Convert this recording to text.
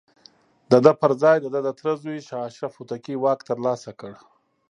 د ده پر ځاى د ده تره زوی شاه اشرف هوتکي واک ترلاسه کړ.